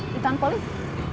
di tanpa lift